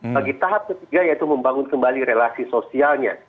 bagi tahap ketiga yaitu membangun kembali relasi sosialnya